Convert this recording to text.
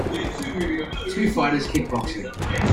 two fighters kickboxing